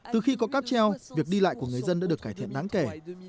từ khi có cáp treo việc đi lại của người dân đã được cải thiện đáng kể